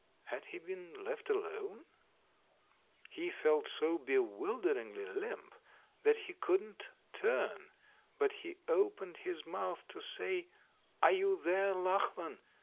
Had he been left alone ? He felt so bewilderingly limp that he couldn't turn, but he opened his mouth to say, "Are you there, Lachlan?"